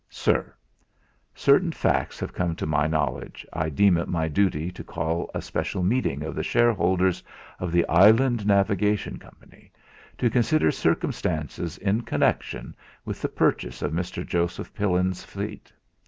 "SIR, Certain facts having come to my knowledge, I deem it my duty to call a special meeting of the shareholders of 'The Island Navigation Coy.,' to consider circumstances in connection with the purchase of Mr. Joseph Pillin's fleet.